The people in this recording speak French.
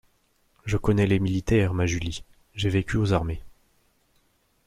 Je connais les militaires, ma Julie ; j’ai vécu aux armées.